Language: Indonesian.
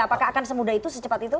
apakah akan semudah itu secepat itu